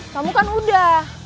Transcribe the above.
kamu kan udah